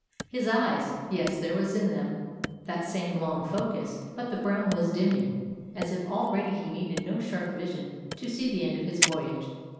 His eyes — yes, there was in them that same long focus, but the brown was dimming, as if already he needed no sharp vision to see the end of his voyage.